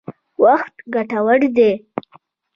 وخت ګټور دی.